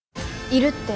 いるって。